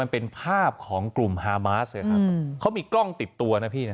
มันเป็นภาพของกลุ่มฮามาสเลยครับเขามีกล้องติดตัวนะพี่นะ